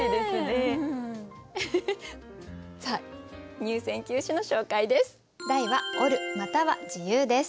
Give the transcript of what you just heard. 入選九首の紹介です。